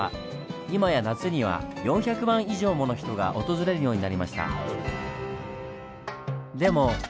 今や夏には４００万以上もの人が訪れるようになりました。